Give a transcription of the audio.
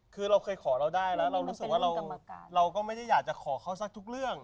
คือเราเคยขอเราได้แล้วเรารู้สึกว่าเราก็ไม่ได้อยากจะขอเขาสักทุกเรื่อง